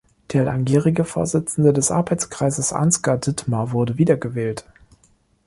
Der langjährige Vorsitzende des Arbeitskreises Ansgar Dittmar wurde wiedergewählt.